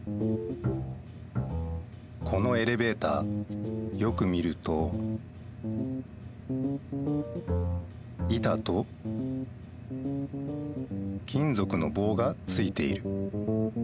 このエレベーターよく見ると板と金ぞくの棒がついている。